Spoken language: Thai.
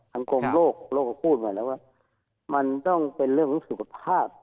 กรมโลกโลกก็พูดมาแล้วว่ามันต้องเป็นเรื่องของสุขภาพ